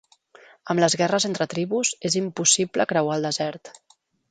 Amb les guerres entre tribus, és impossible creuar el desert.